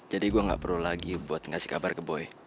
jadi gue nggak perlu lagi buat ngasih kabar ke boy